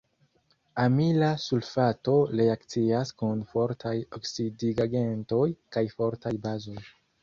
Amila sulfato reakcias kun fortaj oksidigagentoj kaj fortaj bazoj.